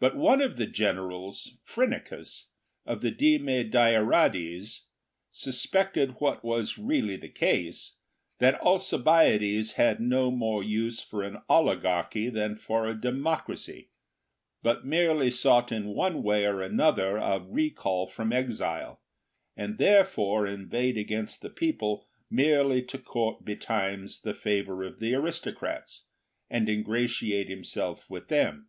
But one of the generals, Phrynichus, of the deme Deirades, suspected (what was really the case) that Alcibiades had no more use for an oligarchy than for a democracy, but merely sought in one way or another a recall from exile, and therefore inveighed against the people merely to court betimes the favour of the aristocrats, and ingratiate himself with them.